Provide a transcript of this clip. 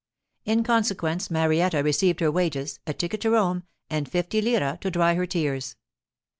In consequence Marietta received her wages, a ticket to Rome, and fifty lire to dry her tears.